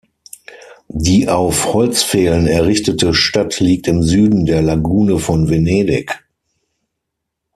Die auf Holzpfählen errichtete Stadt liegt im Süden der Lagune von Venedig.